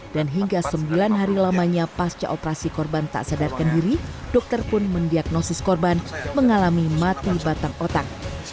dan hingga sembilan hari lamanya pasca operasi korban tak sadarkan diri dokter pun mendiagnosis korban mengalami mati batang otak